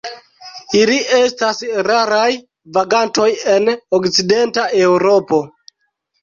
Ili estas raraj vagantoj en Okcidenta Eŭropo.